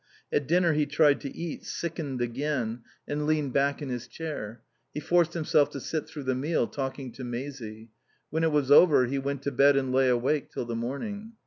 At dinner he tried to eat, sickened again, and leaned back in his chair; he forced himself to sit through the meal, talking to Maisie. When it was over he went to bed and lay awake till the morning.